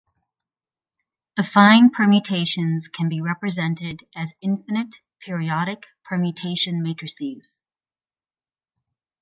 Affine permutations can be represented as infinite periodic permutation matrices.